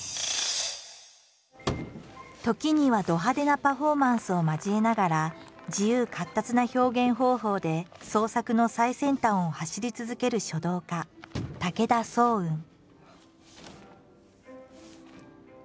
時にはど派手なパフォーマンスを交えながら自由闊達な表現方法で創作の最先端を走り続ける書道家武田双雲。